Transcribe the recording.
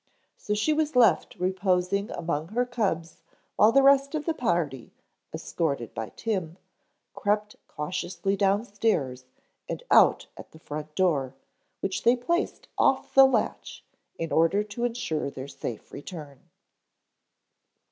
So she was left reposing among her cubs while the rest of the party, escorted by Tim, crept cautiously downstairs and out at the front door, which they placed off the latch in order to insure their safe return.